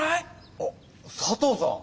あっ佐藤さん！